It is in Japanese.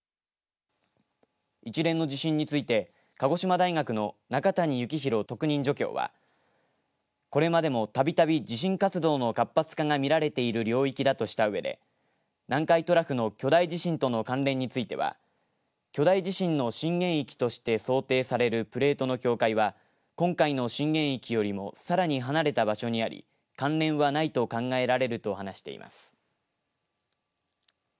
一連の地震について鹿児島大学の仲谷幸浩特任助教はこれまでも、たびたび地震活動の活発化が見られている領域だとしたうえで南海トラフの巨大地震との関連については巨大地震の震源域として想定されるプレートの境界は今回の震源域よりもさらに離れた場所にあり関連はないと考えられると話しています。